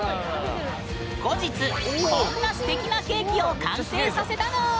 後日、こんなすてきなケーキを完成させたぬーん。